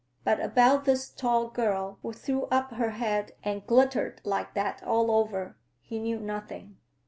But about this tall girl who threw up her head and glittered like that all over, he knew nothing.